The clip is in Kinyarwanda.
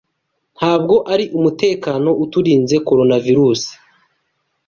Ntabwo ari umutekano utirinze Coronavirusi.